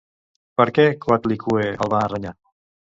Per què Coatlicue el va renyar?